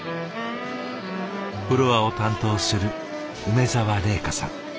フロアを担当する梅沢怜加さん。